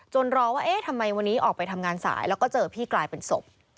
รอว่าเอ๊ะทำไมวันนี้ออกไปทำงานสายแล้วก็เจอพี่กลายเป็นศพ